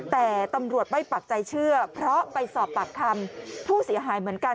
แต่ตำรวจไม่ปักใจเชื่อเพราะไปสอบปากคำผู้เสียหายเหมือนกัน